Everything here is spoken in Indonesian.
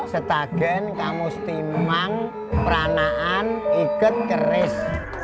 setagen kamu stimang peranaan ikut keris